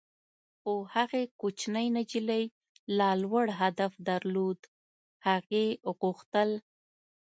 خو هغې کوچنۍ نجلۍ لا لوړ هدف درلود - هغې غوښتل.